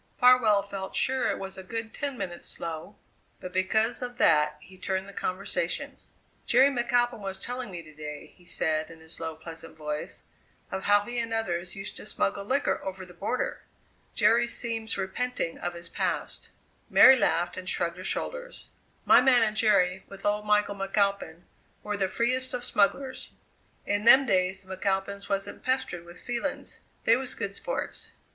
Farwell felt sure it was a good ten minutes slow; but because of that he turned the conversation. "Jerry McAlpin was telling me to day," he said in his low, pleasant voice, "of how he and others used to smuggle liquor over the border. Jerry seems repenting of his past." Mary laughed and shrugged her shoulders. "My man and Jerry, with old Michael McAlpin, were the freest of smugglers. In them days the McAlpins wasn't pestered with feelings; they was good sports.